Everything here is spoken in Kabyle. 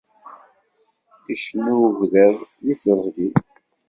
Icennu ugḍiḍ di teẓgi